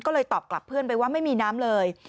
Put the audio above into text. ก็เลยตอบกลับเพื่อนไปว่าไม่มีน้ำเลย